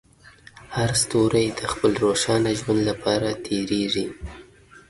هر ستوری د خپل روښانه ژوند لپاره تېرېږي.